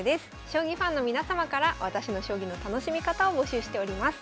将棋ファンの皆様から私の将棋の楽しみ方を募集しております。